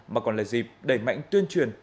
mà còn là dịp đẩy mạnh tuyên truyền